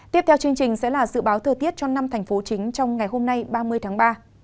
tiếp theo chương trình sẽ là dự báo thời tiết cho năm thành phố chính trong ngày hôm nay ba mươi tháng ba